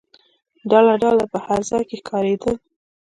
ډله ډله په هر ځای کې ښکارېدل.